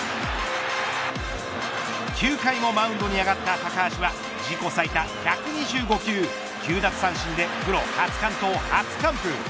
９回もマウンドに上がった高橋は自己最多１２５球、９奪三振でプロ初完投、初完封。